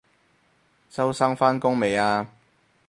周生返工未啊？